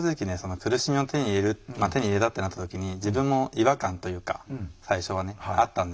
苦しみを手に入れるまあ手に入れたってなった時に自分も違和感というか最初はねあったんですけど。